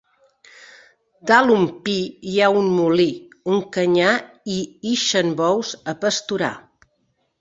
Dalt un pi hi ha un molí, un canyar i ixen bous a pasturar.